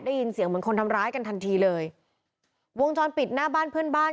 ได้ยินเสียงเหมือนคนทำร้ายกันทันทีเลยวงจรปิดหน้าบ้านเพื่อนบ้าน